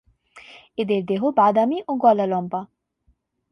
এদের দেহ বাদামি ও গলা লম্বা।